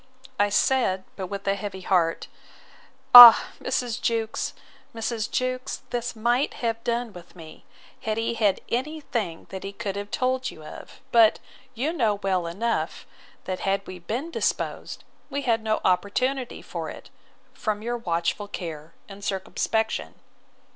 I said, but yet with a heavy heart, Ah! Mrs. Jewkes, Mrs. Jewkes, this might have done with me, had he had any thing that he could have told you of. But you know well enough, that had we been disposed, we had no opportunity for it, from your watchful care and circumspection.